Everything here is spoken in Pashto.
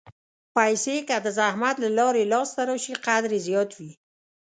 پېسې که د زحمت له لارې لاسته راشي، قدر یې زیات وي.